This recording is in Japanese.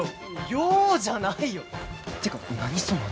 ようじゃないよてか何その頭。